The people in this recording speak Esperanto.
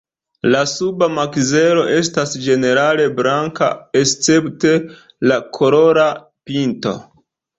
La suba makzelo estas ĝenerale blanka escepte la kolora pinto.